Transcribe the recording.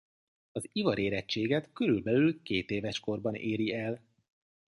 Az ivarérettséget körülbelül kétéves korban éri el.